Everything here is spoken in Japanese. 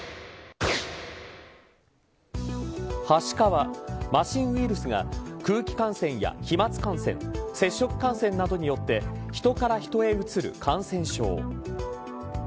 はしかは、麻しんウイルスが空気感染や飛まつ感染接触感染などによって人から人へ移る感染症。